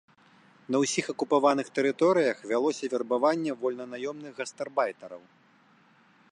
На ўсіх акупаваных тэрыторыях вялося вербаванне вольнанаёмных гастарбайтараў.